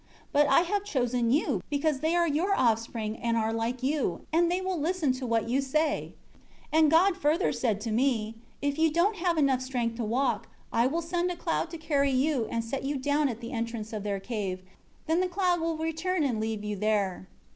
But I have chosen you, because they are your offspring and are like you, and they will listen to what you say.' 23 God said further to me, 'If you don't have enough strength to walk, I will send a cloud to carry you and set you down at the entrance of their cave; then the cloud will return and leave you there.